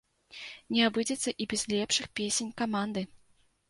Не абыдзецца і без лепшых песень каманды!